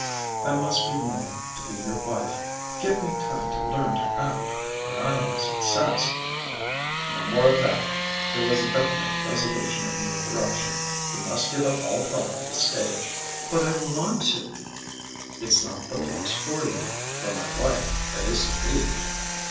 "I must be more, to be your wife. Give me time to learn to act. When I am a success " "No more of that!" There was definite resolution in the interruption. "You must give up all thought of the stage." "But I want to " "It's not the place for you for my wife that is to be."